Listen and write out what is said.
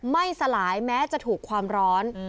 ไม่สลายแม้จะถูกความร้อน